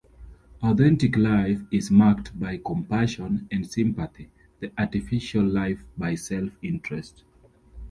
Authentic life is marked by compassion and sympathy; the artificial life by self-interest.